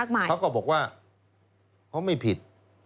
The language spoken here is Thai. เขาก็บอกว่าเขาไม่ผิด